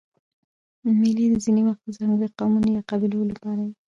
مېلې ځیني وخت د ځانګړو قومونو یا قبیلو له پاره يي.